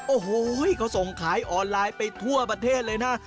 โอ้โหเขาส่งขายออนไลน์ไปทั่วประเทศเลยนะ